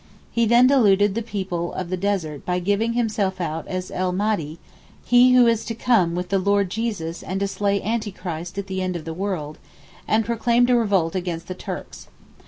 He then deluded the people of the desert by giving himself out as El Mahdi (he who is to come with the Lord Jesus and to slay Antichrist at the end of the world), and proclaimed a revolt against the Turks.